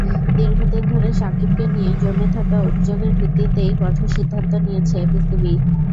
দীর্ঘদিন ধরে সাকিবকে নিয়ে জমে থাকা অভিযোগের ভিত্তিতেই কঠোর সিদ্ধান্ত নিয়েছে বিসিবি।